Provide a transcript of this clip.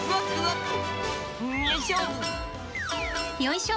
よいしょ！